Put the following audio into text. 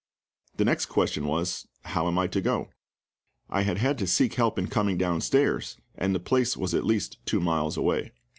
The next question was, "How am I to go?" I had had to seek help in coming downstairs, and the place was at least two miles away.